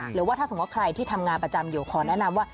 หรือว่าถ้าสมมุติใครที่ทำงานประจำอยู่ขอแนะนำว่า